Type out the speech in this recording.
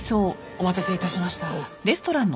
お待たせ致しました。